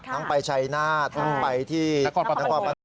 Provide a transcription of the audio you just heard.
ทั้งไปชัยหน้าทั้งไปที่นครปฐม